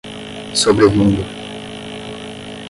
Sobrevindo